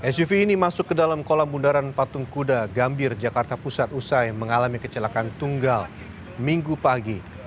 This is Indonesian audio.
suv ini masuk ke dalam kolam bundaran patung kuda gambir jakarta pusat usai mengalami kecelakaan tunggal minggu pagi